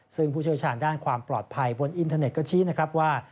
ซึ่งผู้เชี่ยวชาญด้านความปลอดภัยบนอินเทอร์เน็ตก็ชี้นะครับว่า